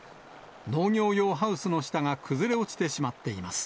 農業用ハウスの下が崩れ落ちてしまっています。